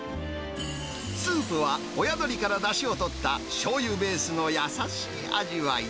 スープは親鶏からだしをとったしょうゆベースの優しい味わい。